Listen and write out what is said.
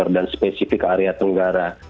dan spesifik area tenggara